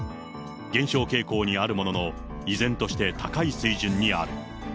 減少傾向にあるものの、依然として高い水準にある。